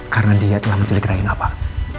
karena dia telah mencelik raina pak